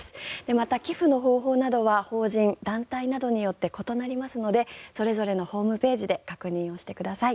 また、寄付の方法などは法人、団体などによって異なりますのでそれぞれのホームページで確認してください。